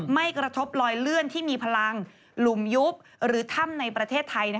ไม่กระทบลอยเลื่อนที่มีพลังหลุมยุบหรือถ้ำในประเทศไทย